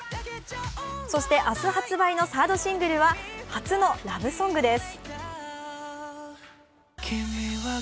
そして明日発売のサードシングルは初のラブソングです。